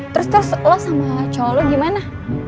terus terus lo sama cowok lo gimana